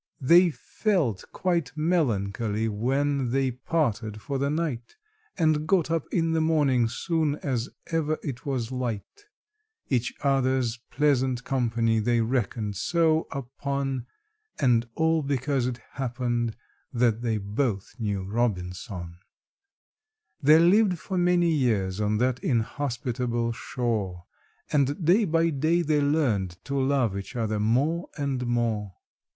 They felt quite melancholy when they parted for the night, And got up in the morning soon as ever it was light; Each other's pleasant company they reckoned so upon, And all because it happened that they both knew ROBINSON! They lived for many years on that inhospitable shore, And day by day they learned to love each other more and more.